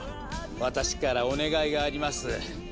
私からお願いがあります。